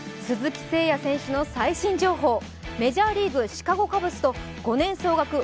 鈴木誠也選手の最新情報メジャーリーグ、シカゴ・カブスと５年総額